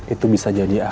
itu bisa jadi akhirnya